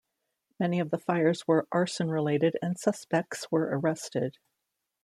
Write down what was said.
Many of the fires were arson-related and suspects were arrested.